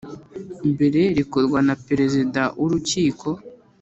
Mbere Rikorwa Na Perezida W Urukiko